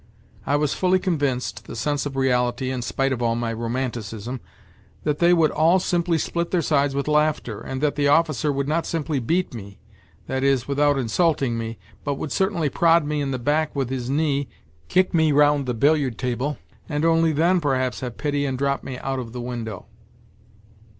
I was fully convinced (the sense of reality, in spite of all my romanticism !) that they would all simply split their sides with laughter, and that the officer would not simply beat me, that is, without insulting me, but would certainly prod me in the back with his knee, kick me round the billiard table, and only then perhaps have pity and drop me out of the window.